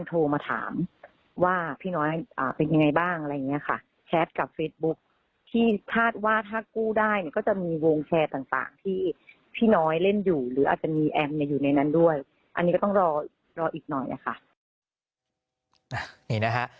ท่าว่าถ้ากู้ได้ก็จะมีวงแชร์ต่างที่พี่น้อยเล่นอยู่หรืออาจจะมีแอมอยู่ในนั้นด้วยอันนี้ก็ต้องรออีกหน่อยนะคะ